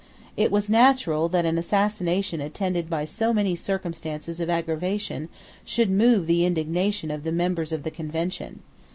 It was natural that an assassination attended by so many circumstances of aggravation should move the indignation of the members of the Convention.